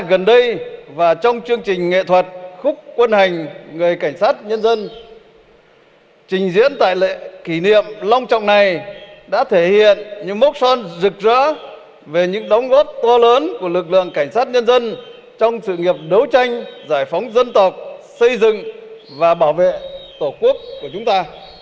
chuyện xảy ra trong chương trình nghệ thuật khúc quân hành người cảnh sát nhân dân trình diễn tại lễ kỷ niệm long trọng này đã thể hiện những mốc son rực rỡ về những đóng góp to lớn của lực lượng cảnh sát nhân dân trong sự nghiệp đấu tranh giải phóng dân tộc xây dựng và bảo vệ tổ quốc của chúng ta